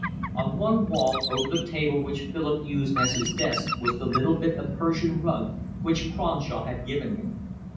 On one wall over the table which Philip used as his desk was the little bit of Persian rug which Cronshaw had given him.